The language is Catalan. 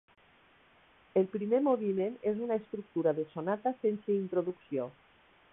El primer moviment és una estructura de sonata sense introducció.